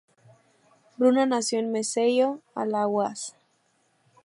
Bruna nació en Maceió, Alagoas.